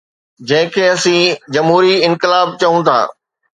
جنهن کي اسين جمهوري انقلاب چئون ٿا.